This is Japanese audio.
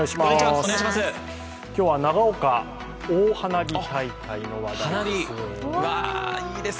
今日は長岡大花火大会の話題です。